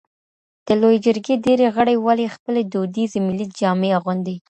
د لویې جرګي ډېری غړي ولي خپلې دودیزي ملي جامي اغوندي؟